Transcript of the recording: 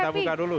kita buka dulu